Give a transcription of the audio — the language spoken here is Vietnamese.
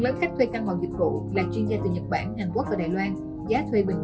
lớn khách thuê căn phòng dịch vụ là chuyên gia từ nhật bản hàn quốc và đài loan giá thuê bình